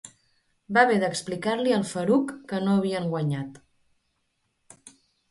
Va haver d'explicar-li al Farouk que no havien guanyat.